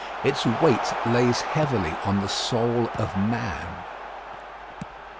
Its weight lies heavily on the soul of man.